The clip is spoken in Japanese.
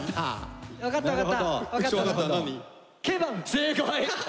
正解！